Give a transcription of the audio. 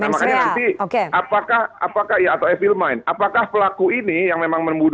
maksudnya nanti apakah atau i feel mind apakah pelaku ini yang memang membunuh ini